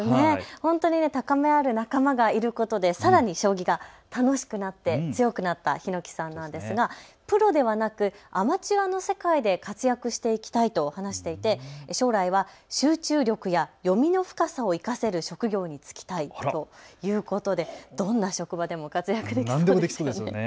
本当に高め合える仲間がいることでさらに将棋が楽しくなって強くなった檜さんなんですがプロではなくアマチュアの世界で活躍していきたいと話していて将来は集中力や読みの深さを生かせる職業に就きたいということでどんな職場でも活躍できそうですね。